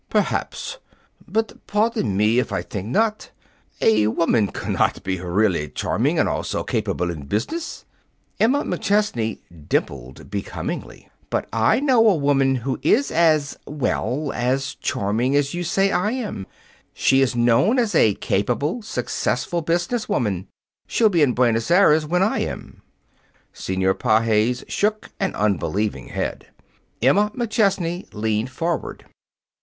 "Perhaps but pardon me if I think not. A woman cannot be really charming and also capable in business." Emma McChesney dimpled becomingly. "But I know a woman who is as well, as charming as you say I am. Still, she is known as a capable, successful business woman. She'll be in Buenos Aires when I am." Senor Pages shook an unbelieving head. Emma McChesney leaned forward.